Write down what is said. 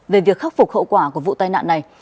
về việc khắc phục hậu quả của vụ tai nạn này